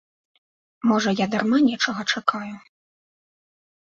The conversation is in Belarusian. Можа, я дарма нечага чакаю.